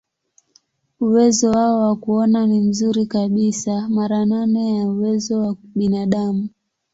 Uwezo wao wa kuona ni mzuri kabisa, mara nane ya uwezo wa binadamu.